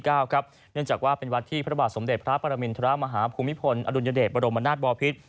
เนื่องจากว่าเป็นวัดที่พระบาทสมเด็จพระปรมินทรมาฮาภูมิพลอดุลยเดชบรมนาศบอพิษ